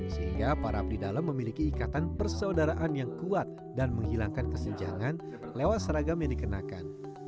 sehingga para abdi dalam memiliki ikatan persaudaraan yang kuat dan menghilangkan kesenjangan lewat seragam yang dikenakan